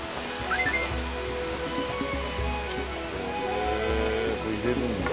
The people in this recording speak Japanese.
へぇ入れるんだ。